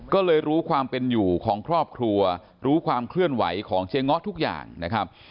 ก็เลยรู้ความเป็นอยู่ของครอบครัวรู้ความเคลื่อนไหวของเจ๊ง้อทุกอย่างนะครับ